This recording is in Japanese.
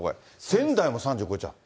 仙台も３０超えちゃう。